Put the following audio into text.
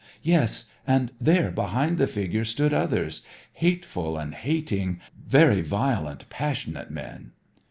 Yes, and there behind the figure stood others, hateful and hating, very violent, passionate men.